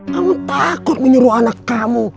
kamu takut menyuruh anak kamu